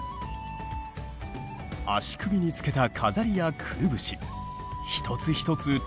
足首につけた飾りやくるぶし一つ一つ